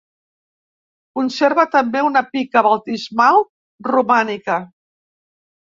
Conserva també una pica baptismal romànica.